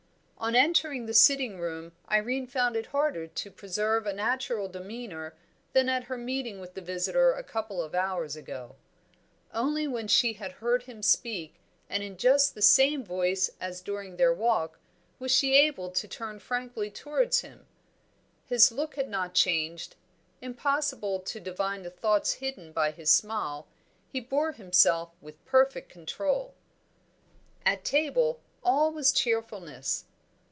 On entering the sitting room Irene found it harder to preserve a natural demeanour than at her meeting with the visitor a couple of hours ago. Only when she had heard him speak and in just the same voice as during their walk was she able to turn frankly towards him. His look had not changed. Impossible to divine the thoughts hidden by his smile; he bore himself with perfect control. At table all was cheerfulness.